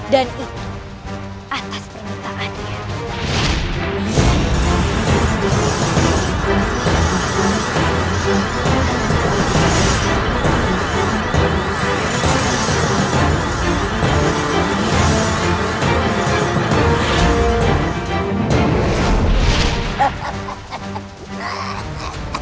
dan itu atas permintaannya